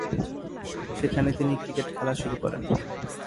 সেখানে তিনি ক্রিকেট খেলা শুরু করেন।